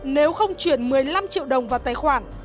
nếu không chuyển một mươi năm triệu đồng vào tài khoản